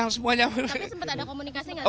tapi sempat ada komunikasi nggak pak